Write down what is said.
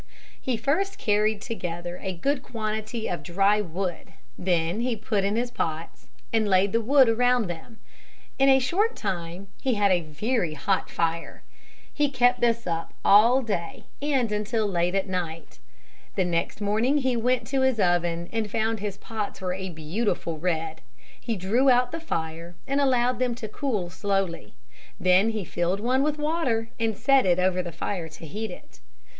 He first carried together a good quantity of dry wood, then he put in his pots and laid the wood around them. In a short time he had a very hot fire. He kept this up all day and until late at night. [Illustration: SOME OF ROBINSON'S DISHES] The next morning he went to his oven and found his pots were a beautiful red. He drew out the fire and allowed them to cool slowly. Then he filled one with water and set it over the fire to heat it.